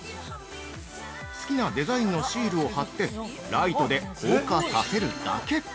好きなデザインのシールを貼ってライトで硬化させるだけ。